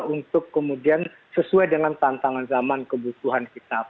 untuk kemudian sesuai dengan tantangan zaman kebutuhan kita